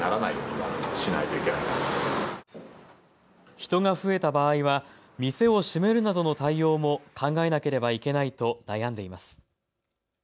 人が増えた場合は店を閉めるなどの対応も考えなければいけないと悩んでいます。